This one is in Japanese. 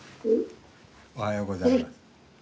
おはようございます。